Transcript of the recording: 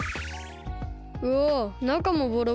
うわなかもボロボロだ。